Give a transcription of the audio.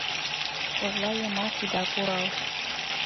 Кожла йымак ида пурал -